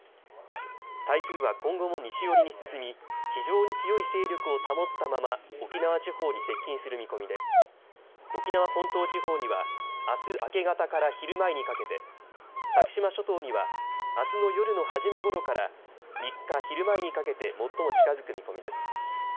台風は今後も西寄りに進み非常に強い勢力を保ったまま沖縄地方に接近する見込みで沖縄本島地方にはあす明け方から昼前にかけて先島諸島にはあすの夜のはじめごろから３日昼前にかけて最も近づく見込みです。